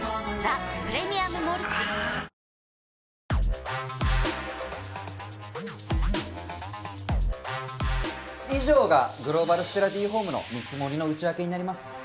あー以上がグローバルステラＤホームの見積もりの内訳になります。